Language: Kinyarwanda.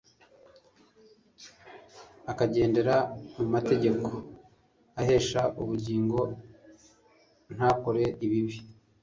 Akagendera mu mategeko ahesha ubugingo ntakore ibibi;...